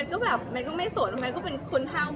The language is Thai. แม้ตก็แบบแม้ตก็ไม่โสดแม้ตก็เป็นคนห้าวเบ้นของแม้ตอย่างนี้